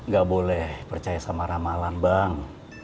gak boleh percaya sama ramalan bang